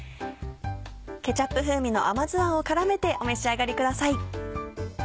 ケチャップ風味の甘酢あんを絡めてお召し上がりください。